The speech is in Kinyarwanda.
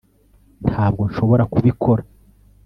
ntabwo nshobora kubikora